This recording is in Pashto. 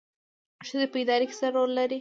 ښځې په اداره کې څه رول لري؟